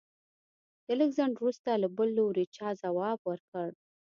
د لږ ځنډ وروسته له بل لوري چا ځواب ورکړ.